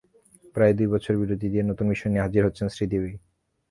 প্রায় দুই বছর বিরতি দিয়ে নতুন মিশন নিয়ে হাজির হচ্ছেন শ্রীদেবী।